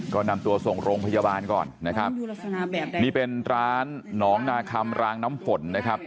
ก็นำตัวส่งโรงพยาบาลก่อนนะครับนี่เป็นร้านหนองนาคำรางน้ำฝนนะครับ